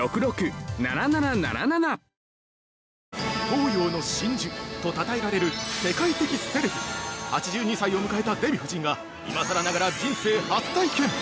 東洋の真珠とたたえられる世界的セレブ８２歳を迎えたデヴィ夫人が今さらながら人生初体験！